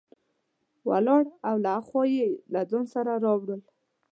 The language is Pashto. ولاړ او له ها خوا یې له ځان سره راوړل.